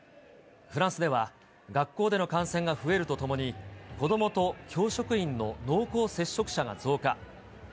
フランスでは、学校での感染が増えるとともに、子どもと教職員の濃厚接触者が増加。